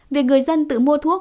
việc người dân tự mua thuốc